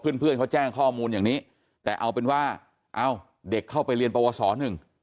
เพื่อนเขาแจ้งข้อมูลอย่างนี้แต่เอาเป็นว่าเด็กเข้าไปเรียนประวัติศาสตร์หนึ่ง